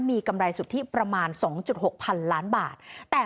มีกำไรสุทธิประมาณสองจุดหกพันล้านบาท